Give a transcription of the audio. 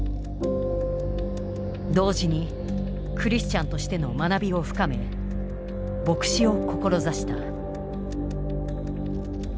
同時にクリスチャンとしての学びを深め牧師を志した。